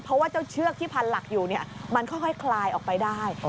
เพราะว่าเจ้าเชือกที่พันหลักอยู่มันค่อยคลายออกไปได้